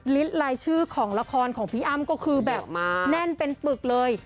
ลายชื่อของละครของพี่อ้ำก็คือแบบแน่นเป็นปึกเลย